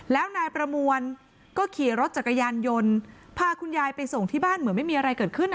แล้วนายประมวลก็ขี่รถจักรยานยนต์พาคุณยายไปส่งที่บ้านเหมือนไม่มีอะไรเกิดขึ้น